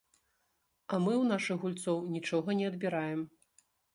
А мы ў нашых гульцоў нічога не адбіраем.